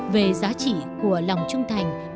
về giá trị của lòng trung thành